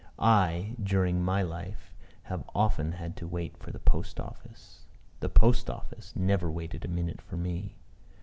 I, during my life, have often had to wait for the post office; the post office never waited a minute for me.